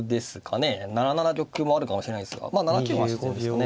７七玉もあるかもしれないですが７九が自然ですかね。